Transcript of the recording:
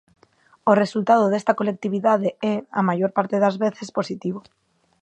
O resultado desta colectividade é, a maior parte das veces, positivo.